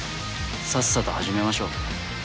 さっさと始めましょう。